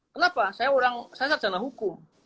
kenapa saya orang saya sasar jalan hukum